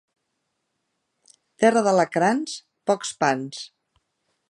Terra d'alacrans, pocs pans.